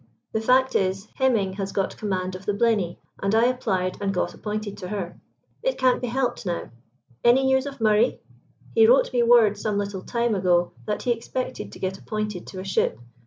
The fact is, Hemming has got command of the Blenny, and I applied and got appointed to her. It can't be helped now. Any news of Murray? He wrote me word, some little time ago, that he expected to get appointed to a ship.